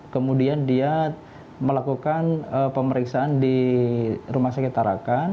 kemudian dia melakukan pemeriksaan di rumah sakit tarakan